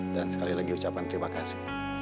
dan sekali lagi ucapkan terima kasih